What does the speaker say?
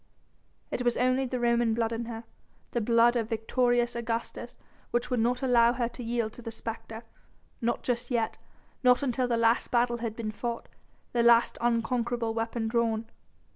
It was only the Roman blood in her, the blood of victorious Augustus which would not allow her to yield to the spectre ... not just yet ... not until the last battle had been fought the last unconquerable weapon drawn.